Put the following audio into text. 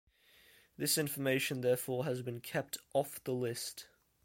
This information therefore has been kept off the list.